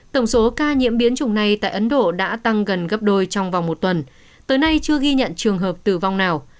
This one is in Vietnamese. tổng số ca nhiễm biến chủng này tại ấn độ đã tăng gần gấp đôi trong vòng một tuần tới nay chưa ghi nhận trường hợp tử vong nào